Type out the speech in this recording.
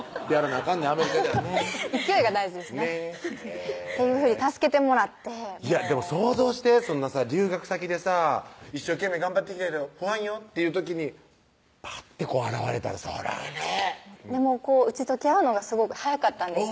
あかんねんアメリカではね勢いが大事ですねねぇっていうふうに助けてもらってでも想像してそんなさ留学先でさ一生懸命頑張ってきたけど不安よっていう時にぱってこう現れたらそらね打ち解け合うのがすごく早かったんですよ